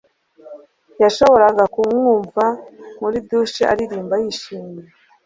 Yashoboraga kumwumva muri douche aririmba yishimye